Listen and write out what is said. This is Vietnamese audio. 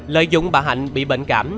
lợi dụng bà hạnh bị bệnh cảm